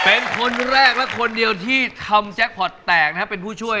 เป็นคนแรกและคนเดียวที่ทำแจ็คพอร์ตแตกนะครับเป็นผู้ช่วย